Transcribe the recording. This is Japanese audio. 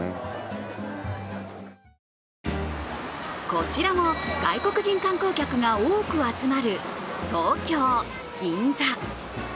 こちらも外国人観光客が多く集まる東京・銀座。